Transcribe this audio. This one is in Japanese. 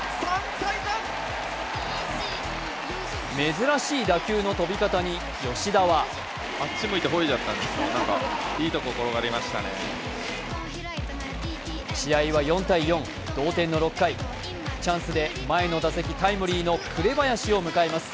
珍しい打球の飛び方に吉田は試合は４−４、同点の６回チャンスで前の打席、タイムリーの紅林を迎えます。